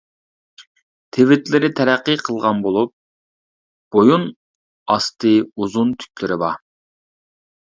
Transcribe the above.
تىۋىتلىرى تەرەققىي قىلغان بولۇپ، بويۇن ئاستى ئۇزۇن تۈكلىرى بار.